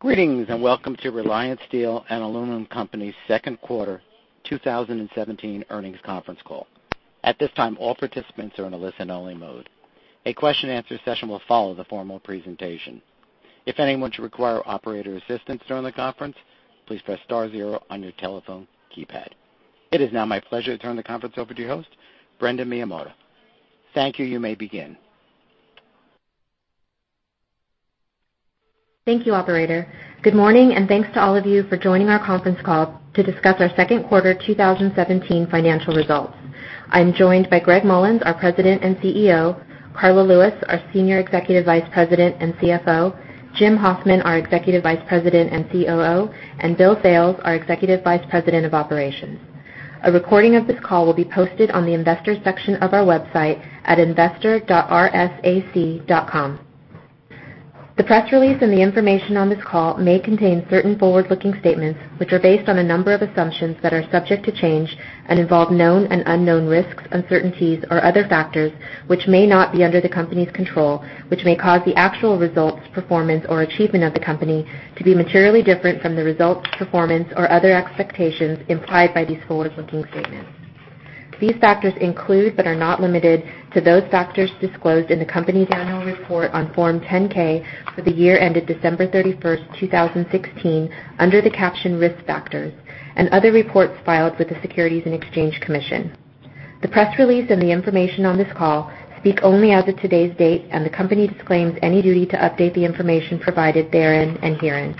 Greetings, and welcome to Reliance Steel & Aluminum Co.'s second quarter 2017 earnings conference call. At this time, all participants are in a listen-only mode. A question and answer session will follow the formal presentation. If anyone should require operator assistance during the conference, please press star zero on your telephone keypad. It is now my pleasure to turn the conference over to your host, Brenda Miyamoto. Thank you. You may begin. Thank you, operator. Good morning, and thanks to all of you for joining our conference call to discuss our second quarter 2017 financial results. I'm joined by Gregg Mollins, our President and CEO, Karla Lewis, our Senior Executive Vice President and CFO, James Hoffman, our Executive Vice President and COO, and William Sales, our Executive Vice President of Operations. A recording of this call will be posted on the investors section of our website at investor.reliance.com. The press release and the information on this call may contain certain forward-looking statements, which are based on a number of assumptions that are subject to change and involve known and unknown risks, uncertainties, or other factors which may not be under the company's control, which may cause the actual results, performance, or achievement of the company to be materially different from the results, performance, or other expectations implied by these forward-looking statements. These factors include, but are not limited to, those factors disclosed in the company's annual report on Form 10-K for the year ended December 31st, 2016, under the caption Risk Factors and other reports filed with the Securities and Exchange Commission. The press release and the information on this call speak only as of today's date, and the company disclaims any duty to update the information provided therein and herein.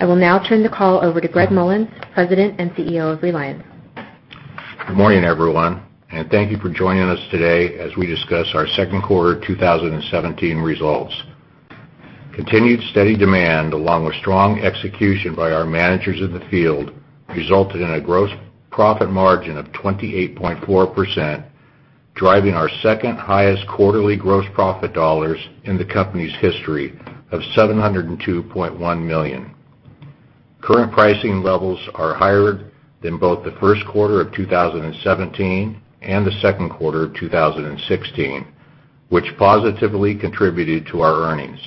I will now turn the call over to Gregg Mollins, President and CEO of Reliance. Good morning, everyone, and thank you for joining us today as we discuss our second quarter 2017 results. Continued steady demand, along with strong execution by our managers in the field, resulted in a gross profit margin of 28.4%, driving our second highest quarterly gross profit dollars in the company's history of $702.1 million. Current pricing levels are higher than both the first quarter of 2017 and the second quarter of 2016, which positively contributed to our earnings.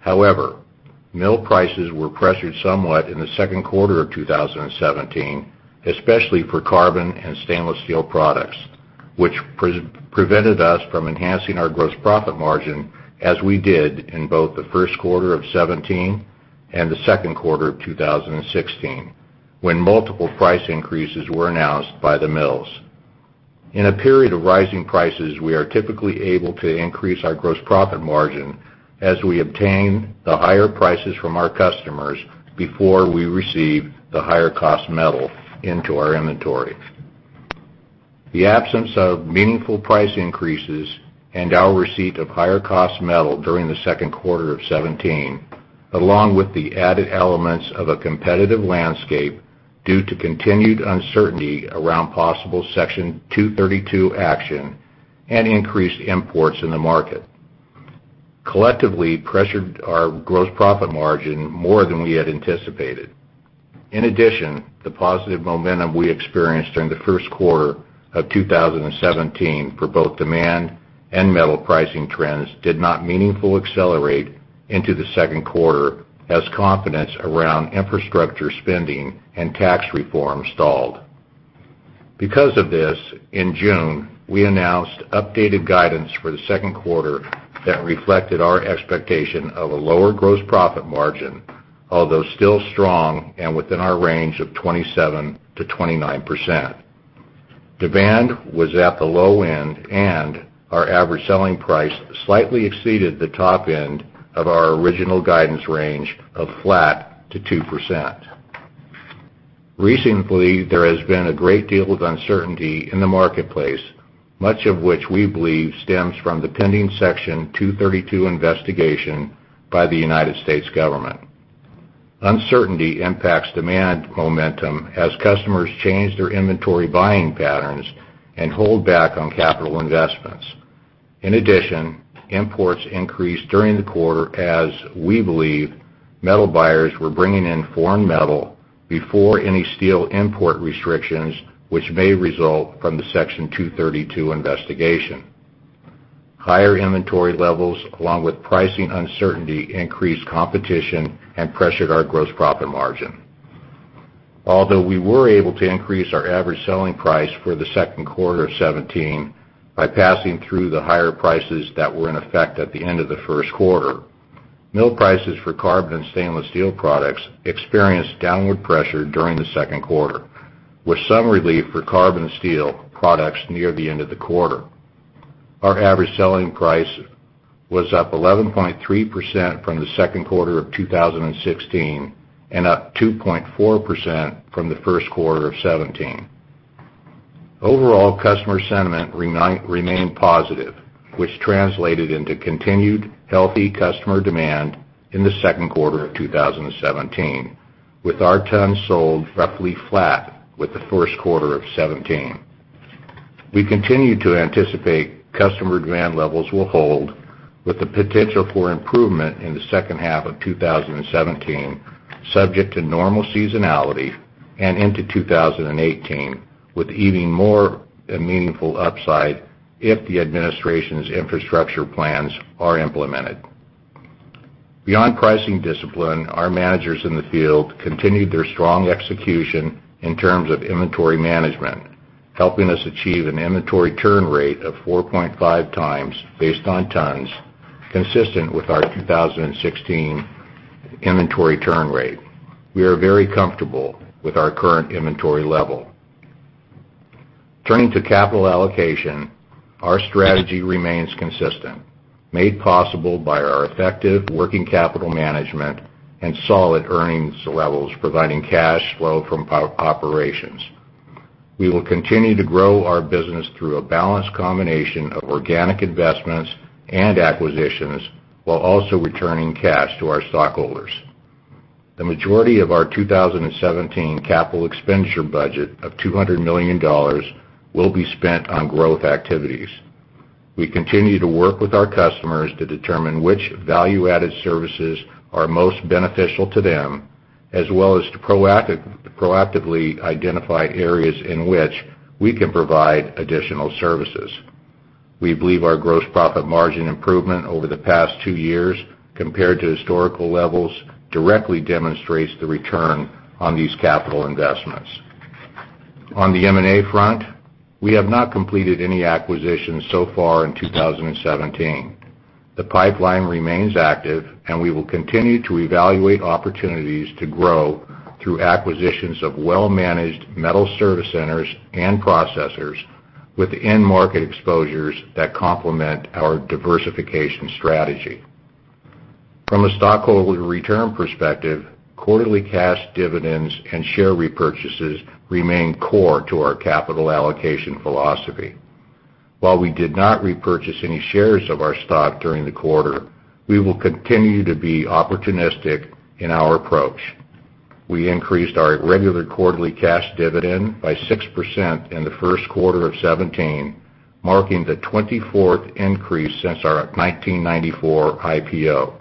However, mill prices were pressured somewhat in the second quarter of 2017, especially for carbon and stainless steel products, which prevented us from enhancing our gross profit margin as we did in both the first quarter of 2017 and the second quarter of 2016, when multiple price increases were announced by the mills. In a period of rising prices, we are typically able to increase our gross profit margin as we obtain the higher prices from our customers before we receive the higher-cost metal into our inventory. The absence of meaningful price increases and our receipt of higher-cost metal during the second quarter of 2017, along with the added elements of a competitive landscape due to continued uncertainty around possible Section 232 action and increased imports in the market collectively pressured our gross profit margin more than we had anticipated. In addition, the positive momentum we experienced during the first quarter of 2017 for both demand and metal pricing trends did not meaningful accelerate into the second quarter as confidence around infrastructure spending and tax reform stalled. In June, we announced updated guidance for the second quarter that reflected our expectation of a lower gross profit margin, although still strong and within our range of 27%-29%. Demand was at the low end, and our average selling price slightly exceeded the top end of our original guidance range of flat to 2%. Recently, there has been a great deal of uncertainty in the marketplace, much of which we believe stems from the pending Section 232 investigation by the United States government. Uncertainty impacts demand momentum as customers change their inventory buying patterns and hold back on capital investments. In addition, imports increased during the quarter as we believe metal buyers were bringing in foreign metal before any steel import restrictions, which may result from the Section 232 investigation. Higher inventory levels, along with pricing uncertainty, increased competition and pressured our gross profit margin. We were able to increase our average selling price for the second quarter of 2017 by passing through the higher prices that were in effect at the end of the first quarter, mill prices for carbon and stainless steel products experienced downward pressure during the second quarter, with some relief for carbon and steel products near the end of the quarter. Our average selling price was up 11.3% from the second quarter of 2016 and up 2.4% from the first quarter of 2017. Overall, customer sentiment remained positive, which translated into continued healthy customer demand in the second quarter of 2017, with our tons sold roughly flat with the first quarter of 2017. We continue to anticipate customer demand levels will hold with the potential for improvement in the second half of 2017 Subject to normal seasonality and into 2018, with even more meaningful upside if the administration's infrastructure plans are implemented. Beyond pricing discipline, our managers in the field continued their strong execution in terms of inventory management, helping us achieve an inventory turn rate of 4.5 times based on tons, consistent with our 2016 inventory turn rate. We are very comfortable with our current inventory level. Turning to capital allocation, our strategy remains consistent, made possible by our effective working capital management and solid earnings levels, providing cash flow from operations. We will continue to grow our business through a balanced combination of organic investments and acquisitions, while also returning cash to our stockholders. The majority of our 2017 capital expenditure budget of $200 million will be spent on growth activities. We continue to work with our customers to determine which value-added services are most beneficial to them, as well as to proactively identify areas in which we can provide additional services. We believe our gross profit margin improvement over the past two years, compared to historical levels, directly demonstrates the return on these capital investments. On the M&A front, we have not completed any acquisitions so far in 2017. The pipeline remains active, and we will continue to evaluate opportunities to grow through acquisitions of well-managed metal service centers and processors with end market exposures that complement our diversification strategy. From a stockholder return perspective, quarterly cash dividends and share repurchases remain core to our capital allocation philosophy. While we did not repurchase any shares of our stock during the quarter, we will continue to be opportunistic in our approach. We increased our regular quarterly cash dividend by 6% in the first quarter of 2017, marking the 24th increase since our 1994 IPO.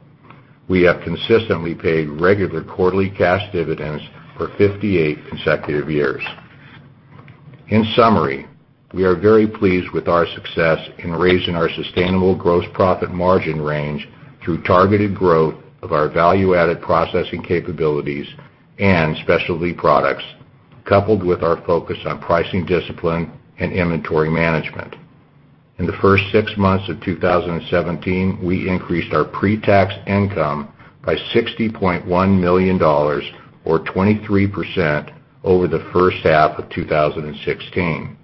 We have consistently paid regular quarterly cash dividends for 58 consecutive years. In summary, we are very pleased with our success in raising our sustainable gross profit margin range through targeted growth of our value-added processing capabilities and specialty products, coupled with our focus on pricing discipline and inventory management. In the first six months of 2017, we increased our pre-tax income by $60.1 million, or 23%, over the first half of 2016.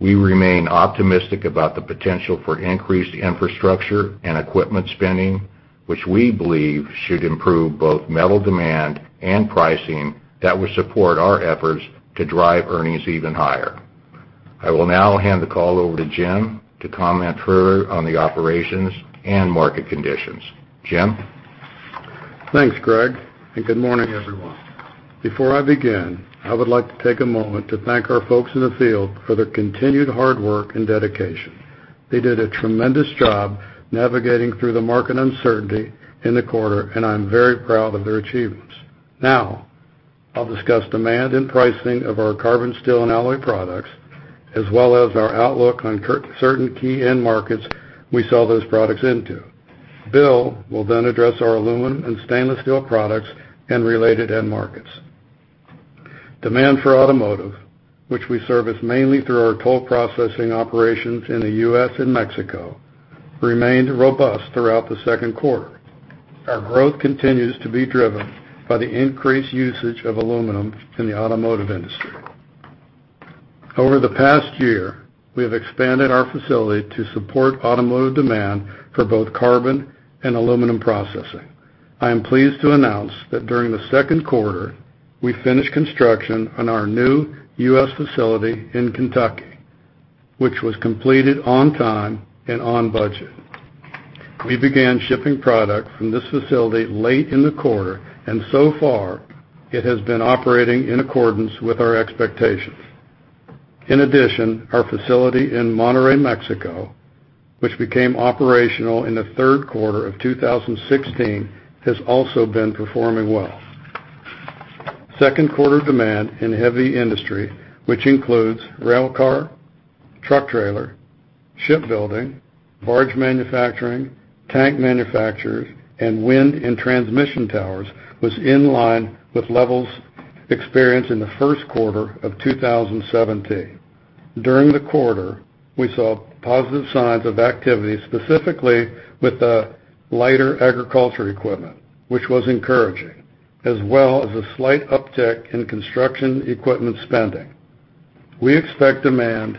We remain optimistic about the potential for increased infrastructure and equipment spending, which we believe should improve both metal demand and pricing that will support our efforts to drive earnings even higher. I will now hand the call over to Jim to comment further on the operations and market conditions. Jim? Thanks, Gregg. Good morning, everyone. Before I begin, I would like to take a moment to thank our folks in the field for their continued hard work and dedication. They did a tremendous job navigating through the market uncertainty in the quarter, and I'm very proud of their achievements. I'll discuss demand and pricing of our carbon steel and alloy products, as well as our outlook on certain key end markets we sell those products into. Bill will address our aluminum and stainless steel products and related end markets. Demand for automotive, which we service mainly through our toll processing operations in the U.S. and Mexico, remained robust throughout the second quarter. Our growth continues to be driven by the increased usage of aluminum in the automotive industry. Over the past year, we have expanded our facility to support automotive demand for both carbon and aluminum processing. I am pleased to announce that during the second quarter, we finished construction on our new U.S. facility in Kentucky, which was completed on time and on budget. We began shipping product from this facility late in the quarter. So far, it has been operating in accordance with our expectations. Our facility in Monterrey, Mexico, which became operational in the third quarter of 2016, has also been performing well. Second quarter demand in heavy industry, which includes railcar, truck trailer, shipbuilding, barge manufacturing, tank manufacturers, and wind and transmission towers, was in line with levels experienced in the first quarter of 2017. During the quarter, we saw positive signs of activity, specifically with the lighter agriculture equipment, which was encouraging, as well as a slight uptick in construction equipment spending. We expect demand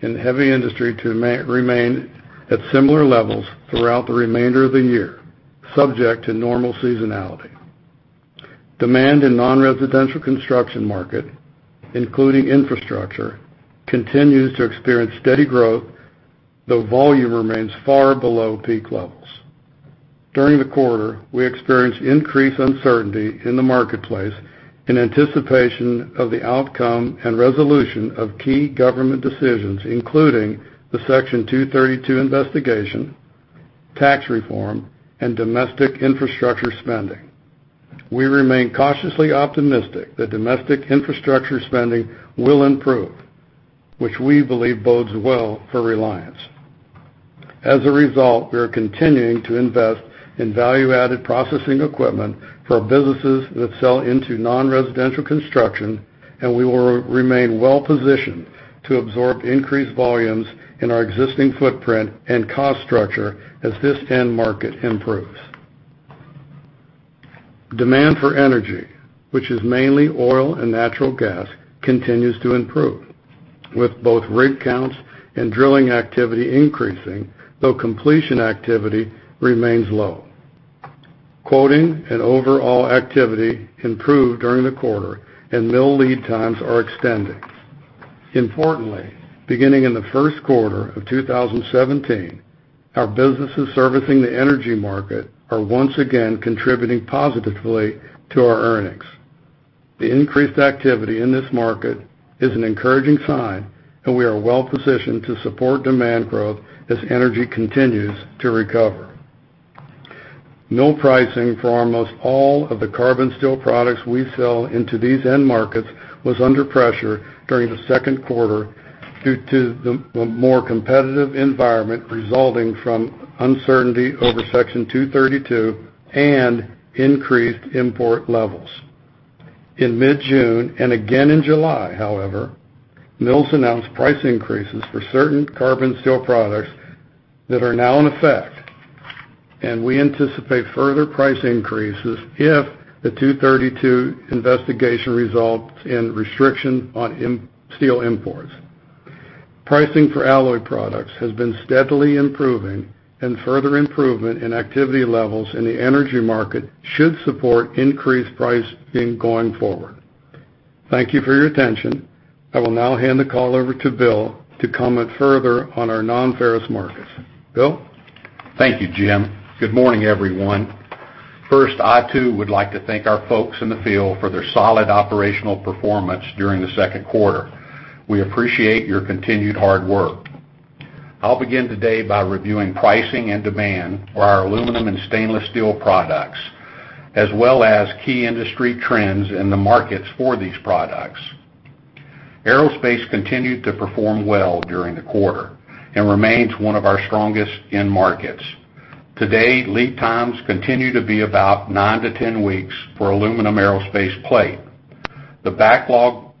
in heavy industry to remain at similar levels throughout the remainder of the year, subject to normal seasonality. Demand in non-residential construction market, including infrastructure, continues to experience steady growth, though volume remains far below peak levels. During the quarter, we experienced increased uncertainty in the marketplace in anticipation of the outcome and resolution of key government decisions, including the Section 232 investigation, Tax reform and domestic infrastructure spending. We remain cautiously optimistic that domestic infrastructure spending will improve, which we believe bodes well for Reliance. As a result, we are continuing to invest in value-added processing equipment for our businesses that sell into non-residential construction, and we will remain well-positioned to absorb increased volumes in our existing footprint and cost structure as this end market improves. Demand for energy, which is mainly oil and natural gas, continues to improve, with both rig counts and drilling activity increasing, though completion activity remains low. Quoting and overall activity improved during the quarter, and mill lead times are extending. Importantly, beginning in the first quarter of 2017, our businesses servicing the energy market are once again contributing positively to our earnings. The increased activity in this market is an encouraging sign, and we are well-positioned to support demand growth as energy continues to recover. Mill pricing for almost all of the carbon steel products we sell into these end markets was under pressure during the second quarter due to the more competitive environment resulting from uncertainty over Section 232 and increased import levels. In mid-June and again in July, however, mills announced price increases for certain carbon steel products that are now in effect, and we anticipate further price increases if the Section 232 investigation results in restriction on steel imports. Pricing for alloy products has been steadily improving, and further improvement in activity levels in the energy market should support increased pricing going forward. Thank you for your attention. I will now hand the call over to Bill to comment further on our nonferrous markets. Bill? Thank you, Jim. Good morning, everyone. First, I too would like to thank our folks in the field for their solid operational performance during the second quarter. We appreciate your continued hard work. I will begin today by reviewing pricing and demand for our aluminum and stainless steel products, as well as key industry trends in the markets for these products. Aerospace continued to perform well during the quarter and remains one of our strongest end markets. Today, lead times continue to be about nine to 10 weeks for aluminum aerospace plate. The backlog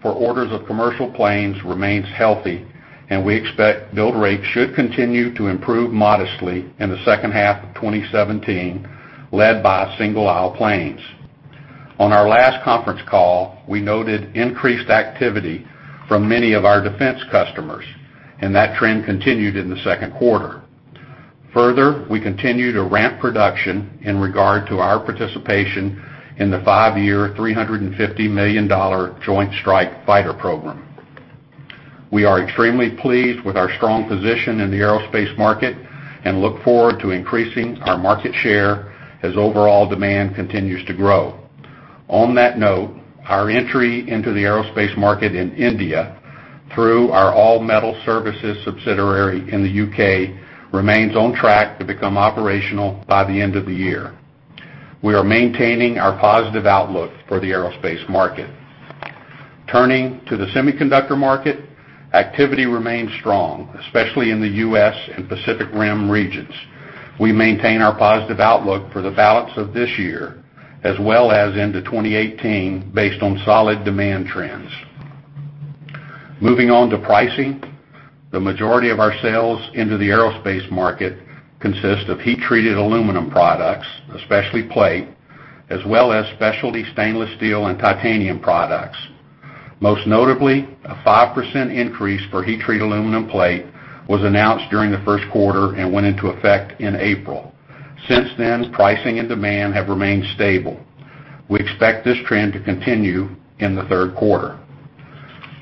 for orders of commercial planes remains healthy, and we expect build rates should continue to improve modestly in the second half of 2017, led by single-aisle planes. On our last conference call, we noted increased activity from many of our defense customers, and that trend continued in the second quarter. Further, we continue to ramp production in regard to our participation in the five-year $350 million Joint Strike Fighter program. We are extremely pleased with our strong position in the aerospace market and look forward to increasing our market share as overall demand continues to grow. On that note, our entry into the aerospace market in India through our All Metal Services subsidiary in the U.K. remains on track to become operational by the end of the year. We are maintaining our positive outlook for the aerospace market. Turning to the semiconductor market, activity remains strong, especially in the U.S. and Pacific Rim regions. We maintain our positive outlook for the balance of this year as well as into 2018 based on solid demand trends. Moving on to pricing, the majority of our sales into the aerospace market consist of heat-treated aluminum products, especially plate, as well as specialty stainless steel and titanium products. Most notably, a 5% increase for heat-treated aluminum plate was announced during the first quarter and went into effect in April. Since then, pricing and demand have remained stable. We expect this trend to continue in the third quarter.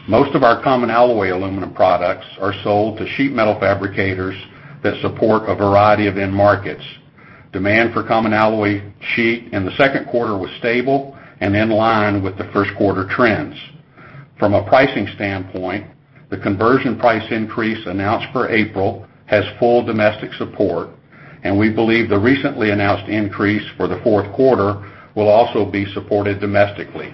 Most of our common alloy aluminum products are sold to sheet metal fabricators that support a variety of end markets. Demand for common alloy sheet in the second quarter was stable and in line with the first quarter trends. From a pricing standpoint, the conversion price increase announced for April has full domestic support, and we believe the recently announced increase for the fourth quarter will also be supported domestically.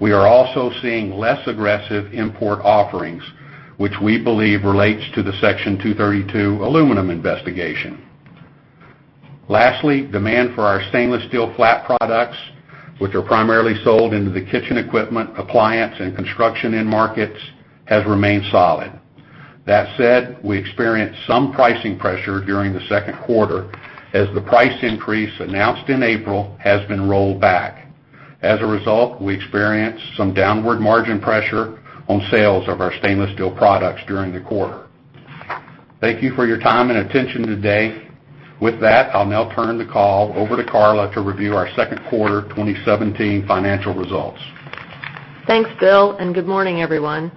We are also seeing less aggressive import offerings, which we believe relates to the Section 232 aluminum investigation. Lastly, demand for our stainless steel flat products, which are primarily sold into the kitchen equipment, appliance, and construction end markets, has remained solid. That said, we experienced some pricing pressure during the second quarter as the price increase announced in April has been rolled back. As a result, we experienced some downward margin pressure on sales of our stainless steel products during the quarter. Thank you for your time and attention today. With that, I'll now turn the call over to Karla to review our second quarter 2017 financial results. Thanks, Bill, and good morning, everyone.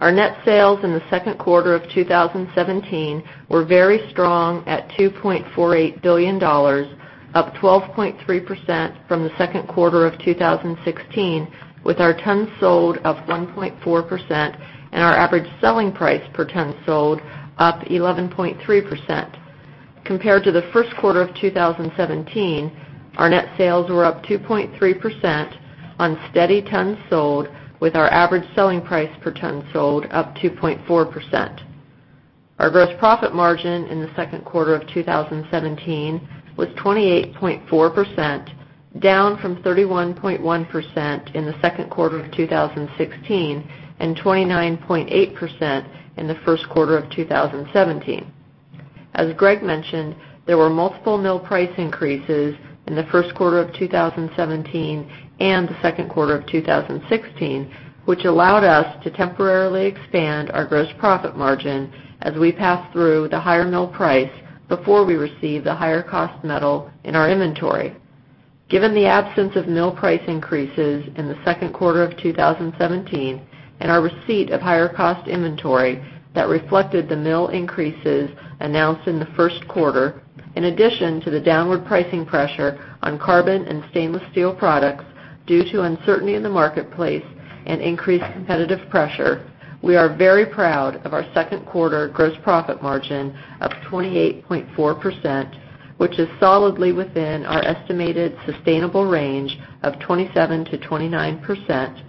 Our net sales in the second quarter of 2017 were very strong at $2.48 billion. Up 12.3% from the second quarter of 2016, with our tons sold up 1.4% and our average selling price per ton sold up 11.3%. Compared to the first quarter of 2017, our net sales were up 2.3% on steady tons sold, with our average selling price per ton sold up 2.4%. Our gross profit margin in the second quarter of 2017 was 28.4%, down from 31.1% in the second quarter of 2016, and 29.8% in the first quarter of 2017. As Gregg mentioned, there were multiple mill price increases in the first quarter of 2017 and the second quarter of 2016, which allowed us to temporarily expand our gross profit margin as we pass through the higher mill price before we receive the higher-cost metal in our inventory. Given the absence of mill price increases in the second quarter of 2017 and our receipt of higher-cost inventory that reflected the mill increases announced in the first quarter, in addition to the downward pricing pressure on carbon and stainless steel products due to uncertainty in the marketplace and increased competitive pressure, we are very proud of our second quarter gross profit margin of 28.4%, which is solidly within our estimated sustainable range of 27%-29%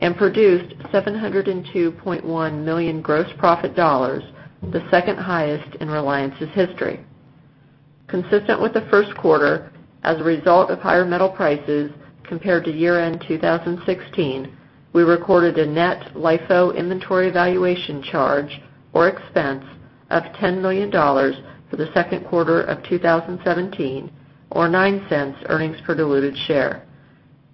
and produced $702.1 million gross profit, the second highest in Reliance's history. Consistent with the first quarter, as a result of higher metal prices compared to year-end 2016, we recorded a net LIFO inventory valuation charge or expense of $10 million for the second quarter of 2017, or $0.09 earnings per diluted share.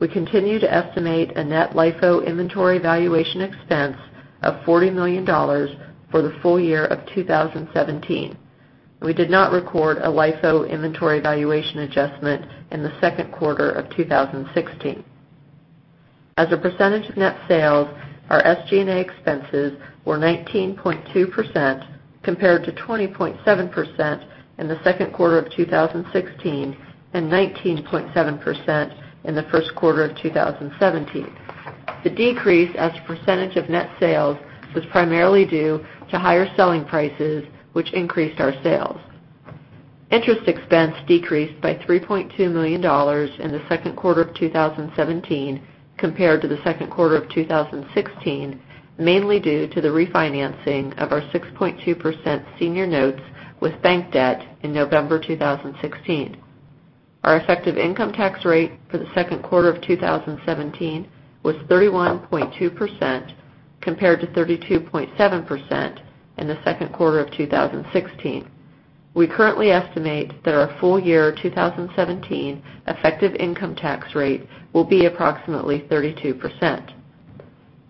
We continue to estimate a net LIFO inventory valuation expense of $40 million for the full year of 2017. We did not record a LIFO inventory valuation adjustment in the second quarter of 2016. As a percentage of net sales, our SG&A expenses were 19.2% compared to 20.7% in the second quarter of 2016 and 19.7% in the first quarter of 2017. The decrease as a percentage of net sales was primarily due to higher selling prices, which increased our sales. Interest expense decreased by $3.2 million in the second quarter of 2017 compared to the second quarter of 2016, mainly due to the refinancing of our 6.2% senior notes with bank debt in November 2016. Our effective income tax rate for the second quarter of 2017 was 31.2%, compared to 32.7% in the second quarter of 2016. We currently estimate that our full year 2017 effective income tax rate will be approximately 32%.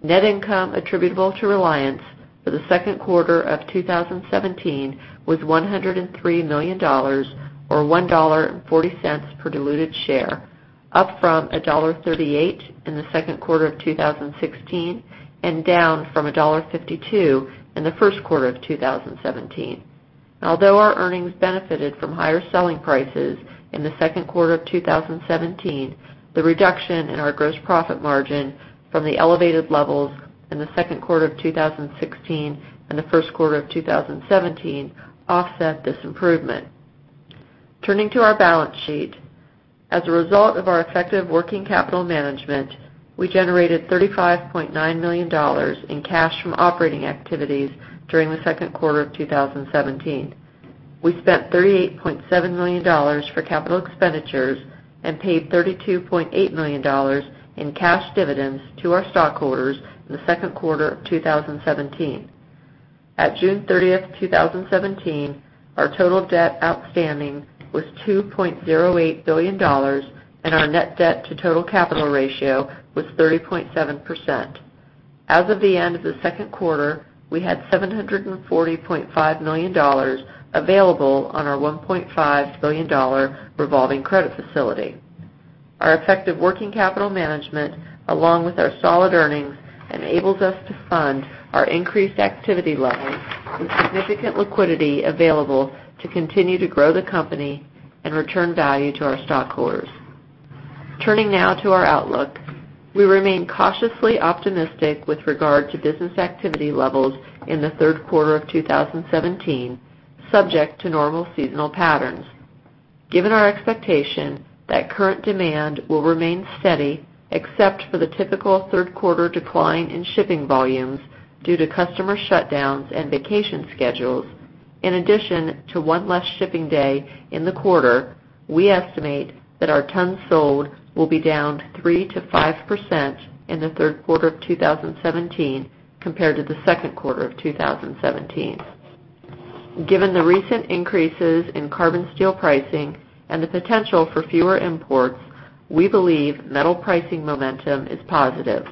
Net income attributable to Reliance for the second quarter of 2017 was $103 million, or $1.40 per diluted share, up from $1.38 in the second quarter of 2016, and down from $1.52 in the first quarter of 2017. Although our earnings benefited from higher selling prices in the second quarter of 2017, the reduction in our gross profit margin from the elevated levels in the second quarter of 2016 and the first quarter of 2017 offset this improvement. Turning to our balance sheet. As a result of our effective working capital management, we generated $35.9 million in cash from operating activities during the second quarter of 2017. We spent $38.7 million for capital expenditures and paid $32.8 million in cash dividends to our stockholders in the second quarter of 2017. At June 30th, 2017, our total debt outstanding was $2.08 billion, and our net debt to total capital ratio was 30.7%. As of the end of the second quarter, we had $740.5 million available on our $1.5 billion revolving credit facility. Our effective working capital management, along with our solid earnings, enables us to fund our increased activity levels with significant liquidity available to continue to grow the company and return value to our stockholders. Turning now to our outlook. We remain cautiously optimistic with regard to business activity levels in the third quarter of 2017, subject to normal seasonal patterns. Given our expectation that current demand will remain steady except for the typical third-quarter decline in shipping volumes due to customer shutdowns and vacation schedules. In addition to one less shipping day in the quarter, we estimate that our tons sold will be down 3%-5% in the third quarter of 2017 compared to the second quarter of 2017. Given the recent increases in carbon steel pricing and the potential for fewer imports, we believe metal pricing momentum is positive.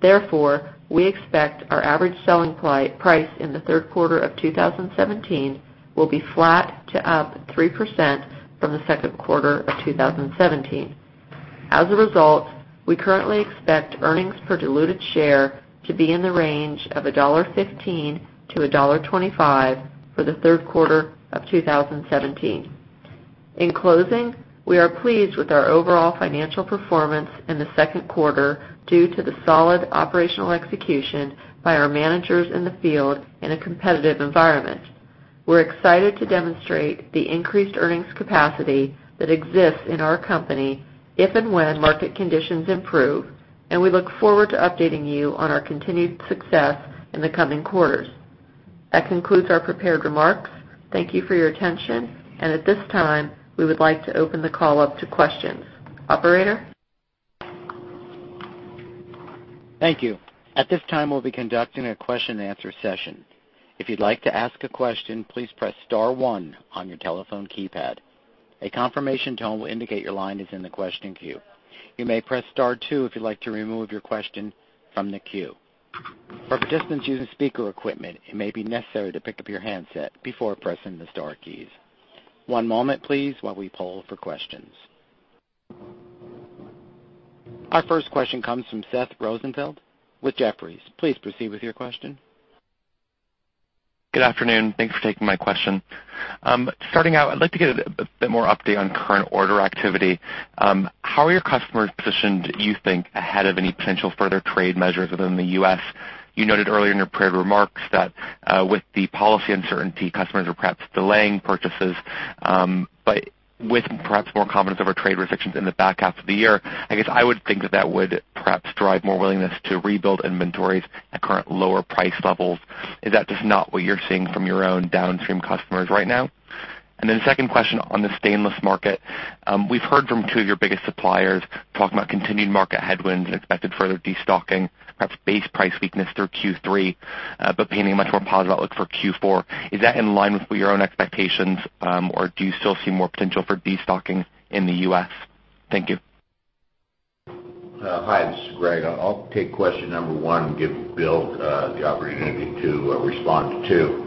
Therefore, we expect our average selling price in the third quarter of 2017 will be flat to up 3% from the second quarter of 2017. As a result, we currently expect earnings per diluted share to be in the range of $1.15-$1.25 for the third quarter of 2017. In closing, we are pleased with our overall financial performance in the second quarter, due to the solid operational execution by our managers in the field in a competitive environment. We're excited to demonstrate the increased earnings capacity that exists in our company if and when market conditions improve, and we look forward to updating you on our continued success in the coming quarters. That concludes our prepared remarks. Thank you for your attention. At this time, we would like to open the call up to questions. Operator? Thank you. At this time, we'll be conducting a question and answer session. If you'd like to ask a question, please press star one on your telephone keypad. A confirmation tone will indicate your line is in the question queue. You may press star two if you'd like to remove your question from the queue. For participants using speaker equipment, it may be necessary to pick up your handset before pressing the star keys. One moment please, while we poll for questions. Our first question comes from Seth Rosenfeld with Jefferies. Please proceed with your question. Good afternoon. Thanks for taking my question. Starting out, I'd like to get a bit more update on current order activity. How are your customers positioned, do you think, ahead of any potential further trade measures within the U.S.? You noted earlier in your prepared remarks that with the policy uncertainty, customers are perhaps delaying purchases. With perhaps more confidence of our trade restrictions in the back half of the year, I guess I would think that that would perhaps drive more willingness to rebuild inventories at current lower price levels. Is that just not what you're seeing from your own downstream customers right now? Then second question on the stainless market. We've heard from two of your biggest suppliers talking about continued market headwinds and expected further destocking, perhaps base price weakness through Q3, but painting a much more positive outlook for Q4. Is that in line with your own expectations, or do you still see more potential for destocking in the U.S.? Thank you. Hi, this is Gregg. I'll take question number one, give Bill the opportunity to respond to two.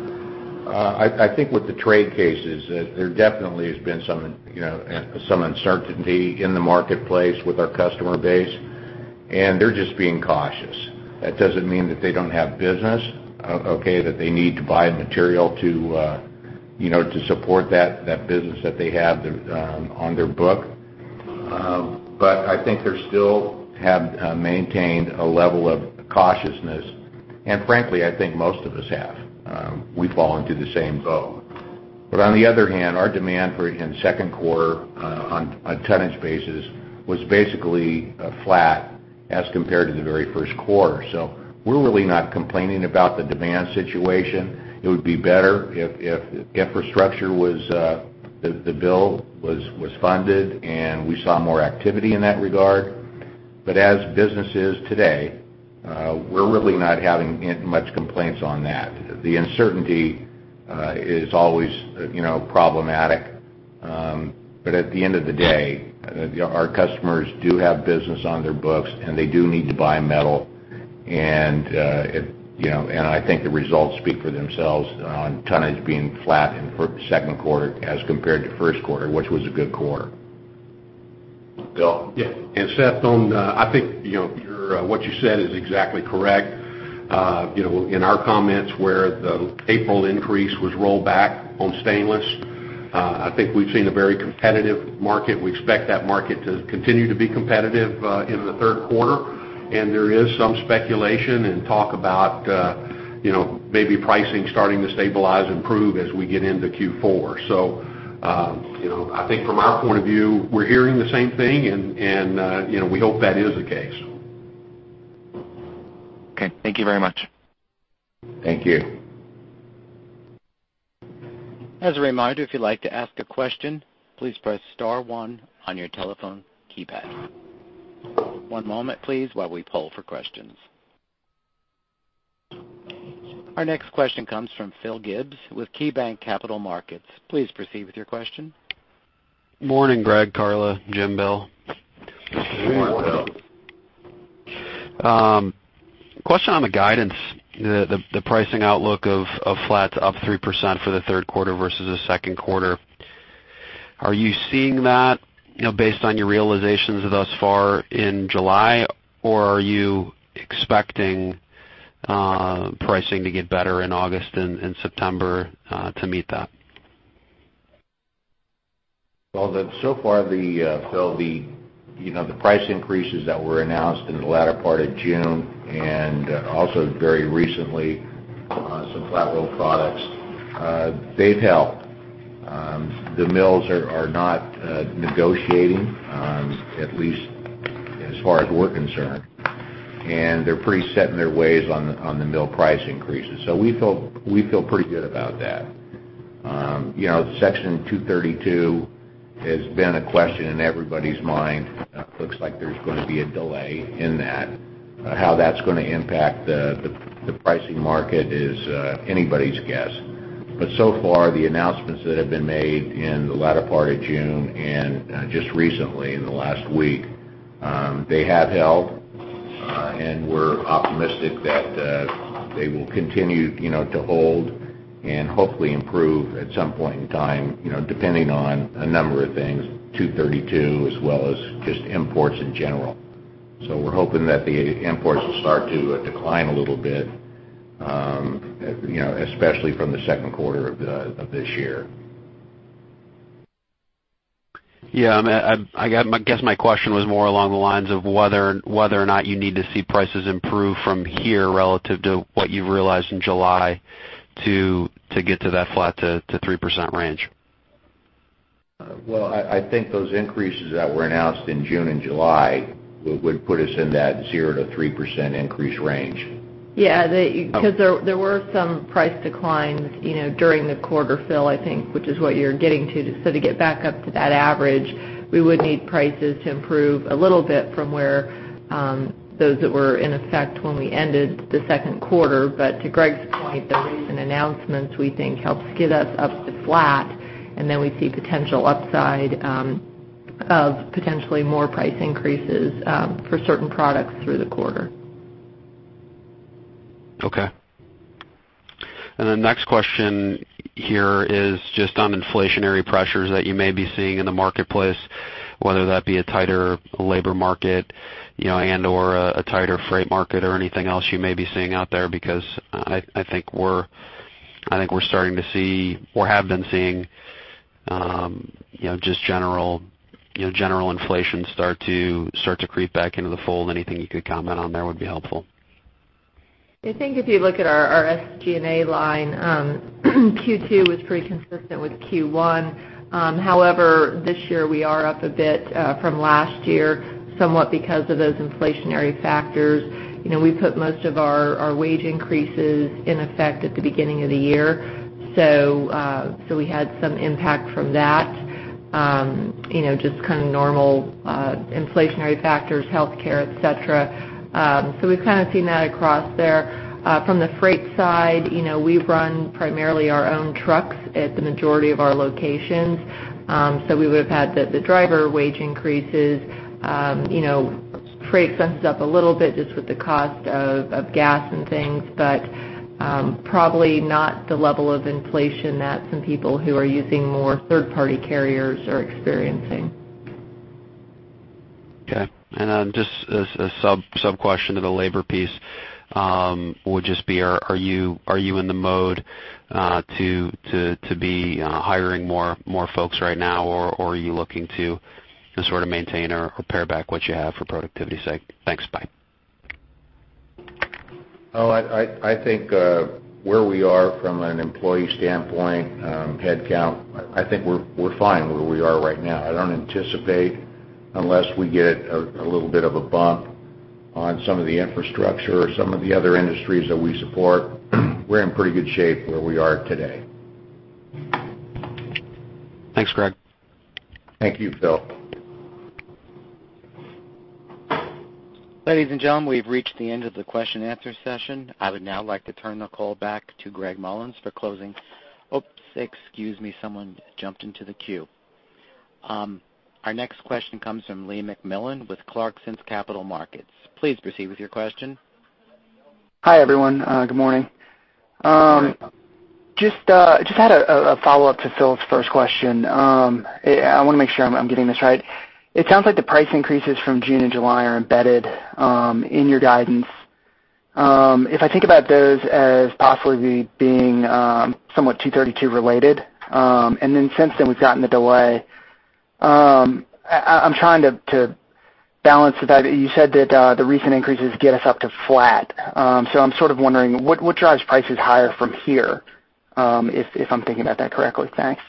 I think with the trade cases, there definitely has been some uncertainty in the marketplace with our customer base, they're just being cautious. That doesn't mean that they don't have business, okay, that they need to buy material to support that business that they have on their book. I think they still have maintained a level of cautiousness. Frankly, I think most of us have. We fall into the same boat. On the other hand, our demand for second quarter on tonnage basis was basically flat as compared to the very first quarter. We're really not complaining about the demand situation. It would be better if infrastructure was, the bill was funded, and we saw more activity in that regard. As business is today, we're really not having much complaints on that. The uncertainty is always problematic. At the end of the day, our customers do have business on their books, and they do need to buy metal. I think the results speak for themselves on tonnage being flat in second quarter as compared to first quarter, which was a good quarter. Bill? Yeah. Seth, I think what you said is exactly correct. In our comments where the April increase was rolled back on stainless, I think we've seen a very competitive market. We expect that market to continue to be competitive in the third quarter. There is some speculation and talk about maybe pricing starting to stabilize, improve as we get into Q4. I think from our point of view, we're hearing the same thing, and we hope that is the case. Okay. Thank you very much. Thank you. As a reminder, if you'd like to ask a question, please press star 1 on your telephone keypad. One moment, please, while we poll for questions. Our next question comes from Philip Gibbs with KeyBanc Capital Markets. Please proceed with your question. Morning, Gregg, Karla, Jim, Bill. Morning, Phil. Question on the guidance, the pricing outlook of flat to up 3% for the third quarter versus the second quarter. Are you seeing that based on your realizations thus far in July, or are you expecting pricing to get better in August and September to meet that? Well, so far, Phil, the price increases that were announced in the latter part of June and also very recently on some flat roll products, they've held. The mills are not negotiating, at least as far as we're concerned, and they're pretty set in their ways on the mill price increases. We feel pretty good about that. Section 232 has been a question in everybody's mind. Looks like there's going to be a delay in that. How that's going to impact the pricing market is anybody's guess. So far, the announcements that have been made in the latter part of June and just recently in the last week, they have held. We're optimistic that they will continue to hold and hopefully improve at some point in time, depending on a number of things, 232 as well as just imports in general. We're hoping that the imports will start to decline a little bit, especially from the second quarter of this year. Yeah. I guess my question was more along the lines of whether or not you need to see prices improve from here relative to what you've realized in July to get to that flat to 3% range. Well, I think those increases that were announced in June and July would put us in that 0%-3% increase range. There were some price declines during the quarter, Phil, I think, which is what you're getting to. To get back up to that average, we would need prices to improve a little bit from where those that were in effect when we ended the second quarter. To Gregg's point, the recent announcements, we think helps get us up to flat, and then we see potential upside of potentially more price increases for certain products through the quarter. Okay. The next question here is just on inflationary pressures that you may be seeing in the marketplace, whether that be a tighter labor market, and/or a tighter freight market or anything else you may be seeing out there, I think we're starting to see or have been seeing just general inflation start to creep back into the fold. Anything you could comment on there would be helpful. I think if you look at our SG&A line, Q2 was pretty consistent with Q1. This year we are up a bit from last year, somewhat because of those inflationary factors. We put most of our wage increases in effect at the beginning of the year. We had some impact from that. Just kind of normal inflationary factors, healthcare, et cetera. We've kind of seen that across there. From the freight side, we run primarily our own trucks at the majority of our locations. We would have had the driver wage increases, freight expenses up a little bit just with the cost of gas and things. Probably not the level of inflation that some people who are using more third-party carriers are experiencing. Okay. Just a sub-question to the labor piece would just be, are you in the mode to be hiring more folks right now, or are you looking to just sort of maintain or pare back what you have for productivity's sake? Thanks. Bye. I think where we are from an employee standpoint, headcount, I think we're fine where we are right now. I don't anticipate unless we get a little bit of a bump on some of the infrastructure or some of the other industries that we support. We're in pretty good shape where we are today. Thanks, Gregg. Thank you, Phil. Ladies and gentlemen, we've reached the end of the question and answer session. I would now like to turn the call back to Gregg Mollins for closing. Oops, excuse me, someone jumped into the queue. Our next question comes from Lee McMillan with Clarkson Capital Markets. Please proceed with your question. Hi, everyone. Good morning. Good morning. Just had a follow-up to Phil's first question. I want to make sure I'm getting this right. It sounds like the price increases from June and July are embedded in your guidance. If I think about those as possibly being somewhat 232 related, then since then we've gotten the delay, I'm trying to balance that. You said that the recent increases get us up to flat. I'm sort of wondering what drives prices higher from here? If I'm thinking about that correctly. Thanks.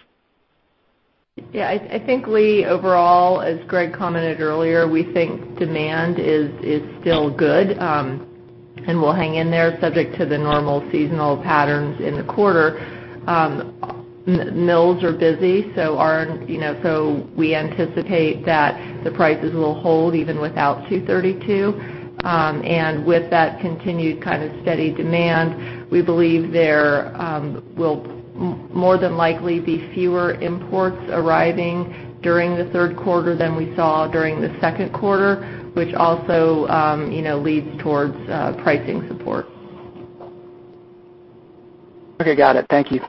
Yeah. I think Lee, overall, as Gregg commented earlier, we think demand is still good, and we'll hang in there subject to the normal seasonal patterns in the quarter. Mills are busy, we anticipate that the prices will hold even without 232. With that continued kind of steady demand, we believe there will more than likely be fewer imports arriving during the third quarter than we saw during the second quarter, which also leads towards pricing support. Okay, got it. Thank you.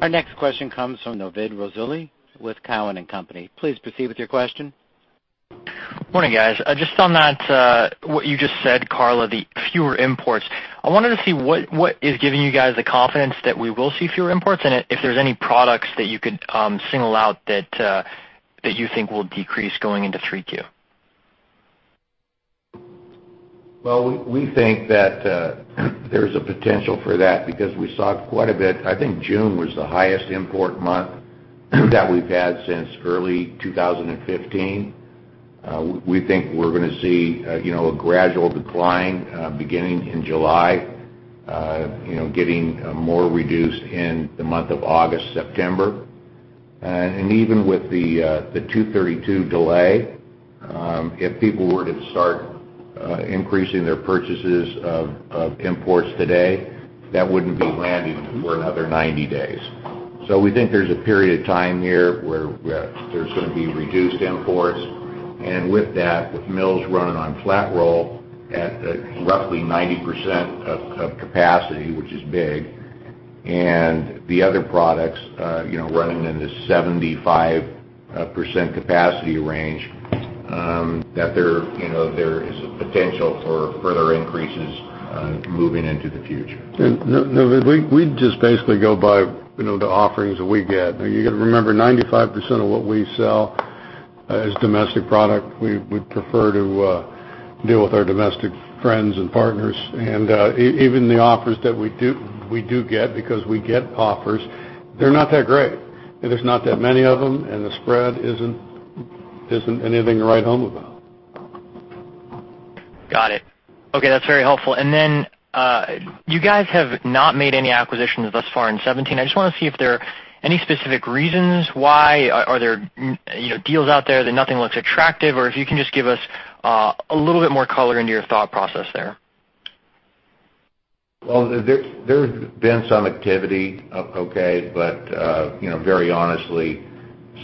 Our next question comes from Novid Rassouli with Cowen and Company. Please proceed with your question. Morning, guys. Just on what you just said, Karla, the fewer imports. I wanted to see what is giving you guys the confidence that we will see fewer imports, and if there's any products that you could single out that you think will decrease going into three Q. Well, we think that there's a potential for that because we saw quite a bit. I think June was the highest import month that we've had since early 2015. We think we're going to see a gradual decline beginning in July, getting more reduced in the month of August, September. Even with the 232 delay, if people were to start increasing their purchases of imports today, that wouldn't be landing for another 90 days. So we think there's a period of time here where there's going to be reduced imports. With that, with mills running on flat roll at roughly 90% of capacity, which is big, and the other products running in the 75% capacity range, that there is a potential for further increases moving into the future. Navid, we just basically go by the offerings that we get. You got to remember, 95% of what we sell is domestic product. We prefer to deal with our domestic friends and partners. Even the offers that we do get, because we get offers, they're not that great. There's not that many of them, and the spread isn't anything to write home about. Got it. Okay. That's very helpful. You guys have not made any acquisitions thus far in 2017. I just want to see if there are any specific reasons why. Are there deals out there that nothing looks attractive, or if you can just give us a little bit more color into your thought process there? Well, there's been some activity, okay. Very honestly,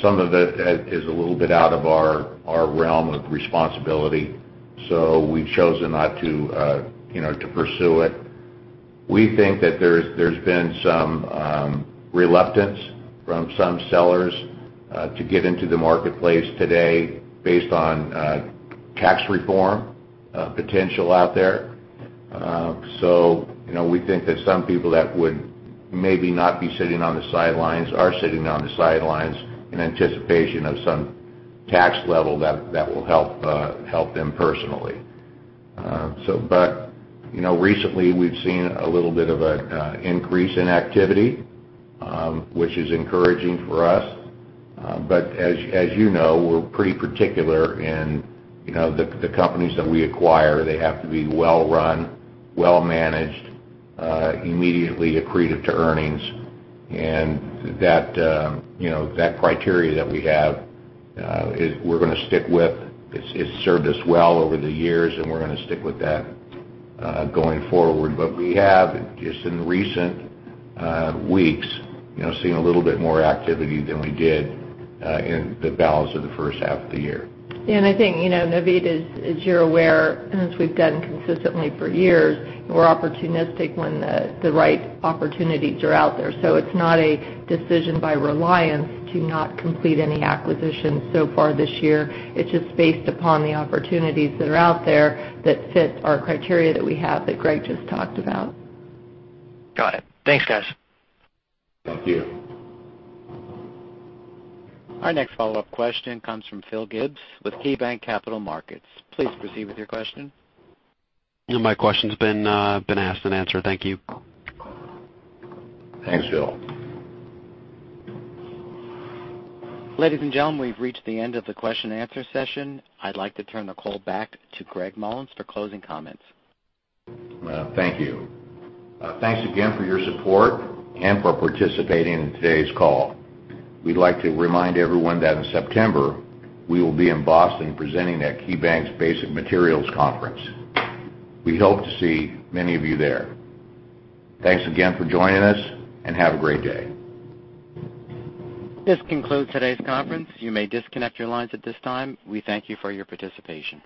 some of it is a little bit out of our realm of responsibility. We've chosen not to pursue it. We think that there's been some reluctance from some sellers to get into the marketplace today based on tax reform potential out there. We think that some people that would maybe not be sitting on the sidelines are sitting on the sidelines in anticipation of some tax level that will help them personally. Recently, we've seen a little bit of an increase in activity, which is encouraging for us. As you know, we're pretty particular in the companies that we acquire. They have to be well-run, well-managed, immediately accretive to earnings. That criteria that we have, we're going to stick with. It's served us well over the years, and we're going to stick with that going forward. We have, just in recent weeks, seen a little bit more activity than we did in the balance of the first half of the year. I think, Navid, as you're aware, and as we've done consistently for years, we're opportunistic when the right opportunities are out there. It's not a decision by Reliance to not complete any acquisitions so far this year. It's just based upon the opportunities that are out there that fit our criteria that we have that Gregg just talked about. Got it. Thanks, guys. Thank you. Our next follow-up question comes from Philip Gibbs with KeyBanc Capital Markets. Please proceed with your question. My question's been asked and answered. Thank you. Thanks, Phil. Ladies and gentlemen, we've reached the end of the question and answer session. I'd like to turn the call back to Gregg Mollins for closing comments. Thank you. Thanks again for your support and for participating in today's call. We'd like to remind everyone that in September, we will be in Boston presenting at KeyBanc's Basic Materials Conference. We hope to see many of you there. Thanks again for joining us, and have a great day. This concludes today's conference. You may disconnect your lines at this time. We thank you for your participation.